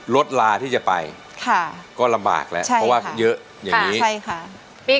รถลาที่จะไปก็ลำบากแล้วเพราะว่าเยอะอย่างนี้